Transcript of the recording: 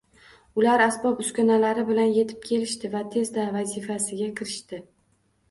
Ular asbob-uskunalari bilan etib kelishdi va tezda vazifasiga kirishdi